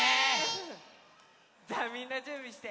じゃあみんなじゅんびして！